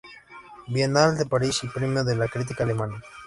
Bienal de París y Premio de la Crítica Alemana.